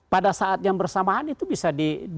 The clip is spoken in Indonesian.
pada saat yang bersamaan itu bisa di